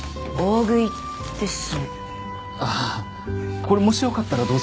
これもしよかったらどうぞ。